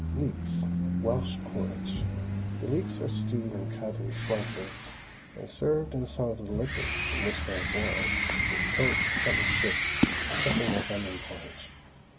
LEEKS, WELSH PORRIDGE. The leeks are stewed and cut in slices, and served in some of the liquor in which they are boiled, with toast cut in strips, something like onion porridge.